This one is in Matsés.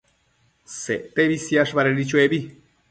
Sectebi siash badedi chobi